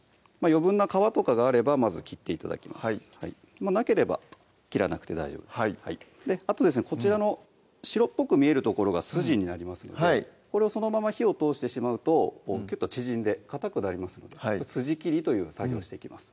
余分な皮とかがあればまず切って頂きますなければ切らなくて大丈夫ですはいあとですねこちらの白っぽく見える所が筋になりますのでこれをそのまま火を通してしまうときゅっと縮んでかたくなりますので筋切りという作業をしていきます